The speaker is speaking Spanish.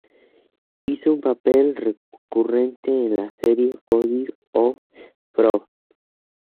Hizo un papel recurrente en la serie "Body of Proof".